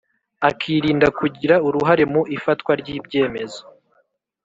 akirinda kugira uruhare mu ifatwa ry’ibyemezo.